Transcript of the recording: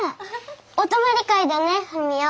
お泊まり会だねふみお。